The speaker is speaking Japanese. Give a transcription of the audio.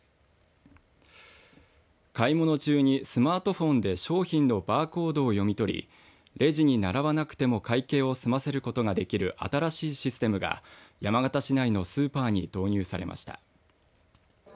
買い物中にスマートフォンで商品のバーコードを読み取りレジに並ばなくても会計を済ませることができる新しいシステムが山形市内のスーパーに導入されました。